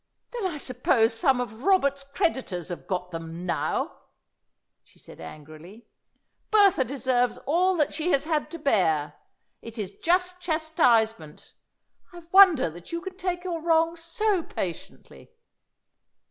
"Then I suppose some of Robert's creditors have got them now," she said angrily. "Bertha deserves all that she has had to bear. It is just chastisement. I wonder that you can take your wrongs so patiently!"